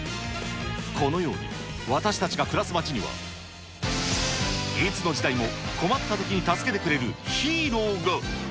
このように、私たちが暮らす街には、いつの時代も困ったときに助けてくれるヒーローが。